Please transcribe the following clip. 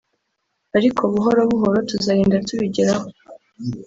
ariko buhoro buhoro tuzagenda tubigeraho